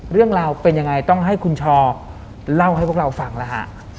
เรื่องราวเป็นยังไงต้องให้คุณชอเล่าให้พวกเราฟังแล้วฮะ